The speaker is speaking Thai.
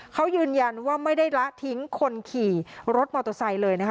เขายืนยันว่าไม่ได้ละทิ้งคนขี่รถมอเตอร์ไซค์เลยนะคะ